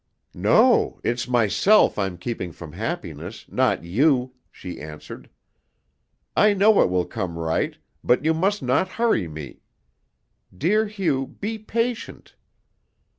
"No it's myself I'm keeping from happiness, not you," she answered. "I know it will come right, but you must not hurry me. Dear Hugh, be patient."